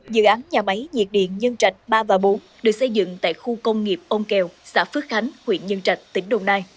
dự án nhà máy nhiệt điện nhân trạch ba và bốn được xây dựng tại khu công nghiệp ông kèo xã phước khánh huyện nhân trạch tỉnh đồng nai